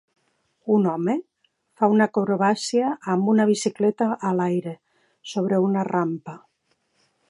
Un home fa una acrobàcia amb una bicicleta a l'aire sobre una rampa.